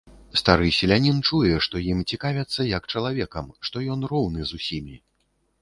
Стары селянін чуе, што ім цікавяцца як чалавекам, што ён роўны з усімі.